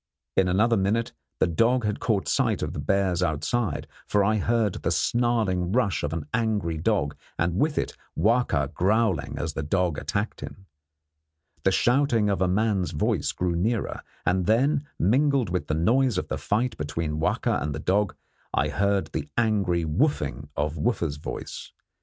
In another minute the dog had caught sight of the bears outside, for I heard the snarling rush of an angry dog, and with it Wahka growling as the dog attacked him. The shouting of the man's voice grew nearer, and then, mingled with the noise of the fight between Wahka and the dog, I heard the angry 'wooffing' of Wooffa's voice.